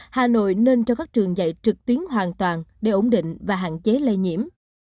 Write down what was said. hà nội nên cho các trường dạy trực tuyến hoàn toàn để ổn định và hạn chế lây nhiễm